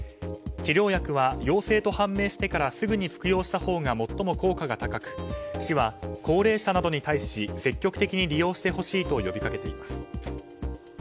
治療薬は陽性と判明してからすぐに服用したほうが最も効果が高く市は高齢者などに対し積極的に利用してほしいと呼び掛けています。